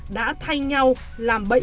đã thay nhau làm bậy